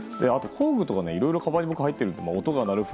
あと、工具とかいろいろかばんに入っていて。